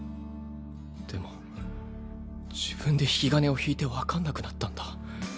でも自分で引き金を引いて分かんなくなったんだ。